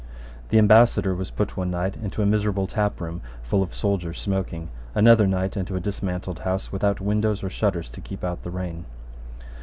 The ambassador was put one night into a miserable taproom full of soldiers smoking, another night into a dismantled house without windows or shutters to keep out the rain.